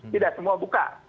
tidak semua buka